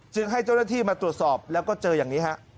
ให้เจ้าหน้าที่มาตรวจสอบแล้วก็เจออย่างนี้ฮะ